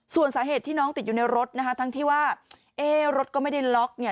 ส่วนสาเหตุที่น้องติดอยู่ในรถนะคะทั้งที่ว่าเอ๊ะรถก็ไม่ได้ล็อกเนี่ย